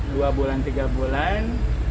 dua bulan tiga bulan